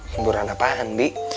hiburan apaan bi